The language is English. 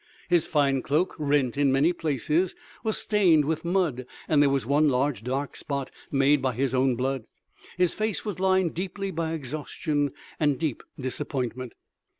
His fine cloak, rent in many places, was stained with mud and there was one large dark spot made by his own blood. His face was lined deeply by exhaustion and deep disappointment.